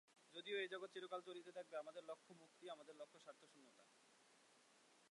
যদিও এই জগৎ চিরকাল চলিতে থাকিবে, আমাদের লক্ষ্য মুক্তি, আমাদের লক্ষ্য স্বার্থশূন্যতা।